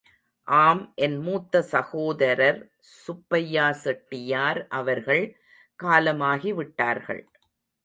ஆம் என் மூத்த சகோதரர் சுப்பையாசெட்டியார் அவர்கள் காலமாகிவிட்டார்கள்.